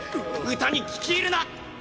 歌に聞き入るな！